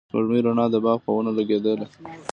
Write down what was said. د سپوږمۍ رڼا د باغ په ونو لګېدله.